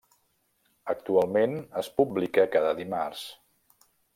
Actualment es publica cada dimarts.